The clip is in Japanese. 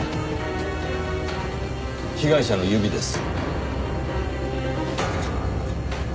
被害者の指です。